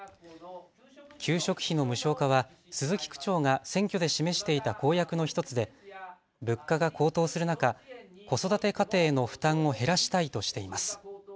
給食費の無償化は鈴木区長が選挙で示していた公約の１つで物価が高騰する中、子育て家庭の負担を減らしたいとしています。